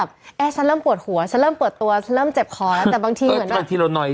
เจอสองสัปดาห์นี้เอง